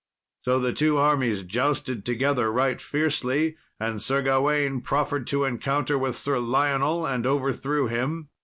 So the two armies jousted together right fiercely, and Sir Gawain proffered to encounter with Sir Lionel, and overthrew him.